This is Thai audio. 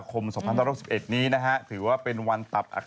สุกไม่สุกไม่รู้ไม่เป็นไรโอเคสำนักสนุก